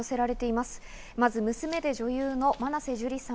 まず娘で女優の真瀬樹里さん。